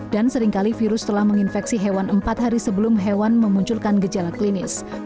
dan seringkali virus telah menginfeksi hewan empat hari sebelum hewan memunculkan gejala klinis